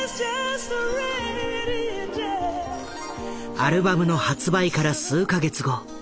アルバムの発売から数か月後